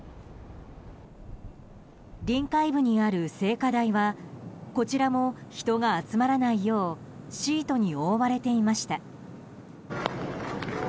臨海部にある聖火台はこちらも人が集まらないようシートに覆われていました。